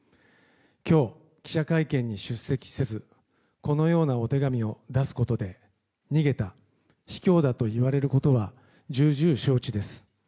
今日、記者会見に出席せずこのようなお手紙を出すことで逃げた、卑怯だと言われることは重々承知です。